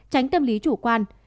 tránh tâm lý chủ quan